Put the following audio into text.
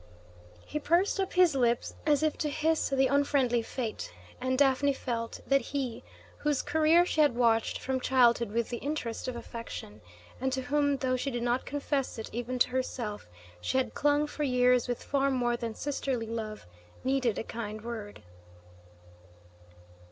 He pursed up his lips as if to hiss the unfriendly fate, and Daphne felt that he, whose career she had watched from childhood with the interest of affection, and to whom, though she did not confess it even to herself, she had clung for years with far more than sisterly love, needed a kind word.